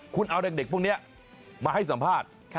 คุณเอาเด็กพวกนี้มาให้สัมภาษณ์